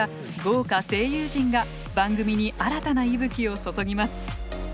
豪華声優陣が番組に新たな息吹を注ぎます。